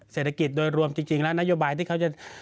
เศรษฐกิจโดยรวมจริงแล้วนโยบายที่เขาจะ